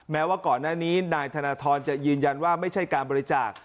แม้ว่าก่อนหน้านี้นายธนทรจะยืนยันว่าไม่ใช่การบริจาค